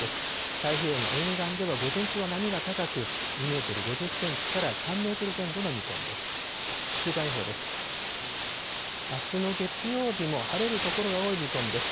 太平洋の沿岸では午前中は波が高く、２メートル５０センチから３メートル前後の見込みです。